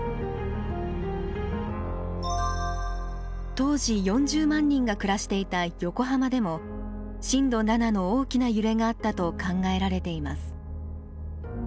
当時４０万人が暮らしていた横浜でも震度７の大きな揺れがあったと考えられています。